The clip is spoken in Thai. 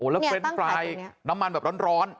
แล้วเฟรนด์ไฟล์น้ำมันแบบร้อน